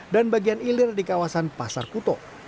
dan bagian ilir di kawasan pasar kuto